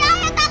siapa sih pak